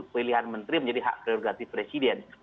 pilihan menteri menjadi hak prerogatif presiden